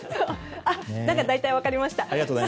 大体分かりました。